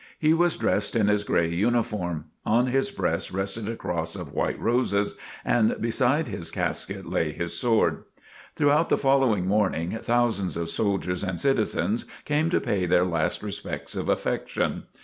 He was dressed in his gray uniform. On his breast rested a cross of white roses and beside his casket lay his sword. Throughout the following morning, thousands of soldiers and citizens came to pay their last tribute of affection.